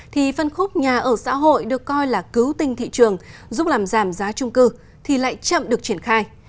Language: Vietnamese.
thì phân khúc nhà ở xã hội được coi là cứu tinh thị trường giúp làm giảm giá trung cư thì lại chậm được triển khai